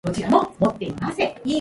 The end of the tail is lacking.